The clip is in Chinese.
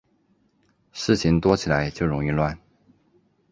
事情多起来就容易乱